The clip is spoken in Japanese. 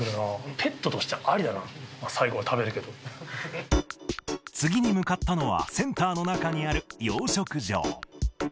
ペットとしてありだな、次に向かったのは、センターの中にある養殖場。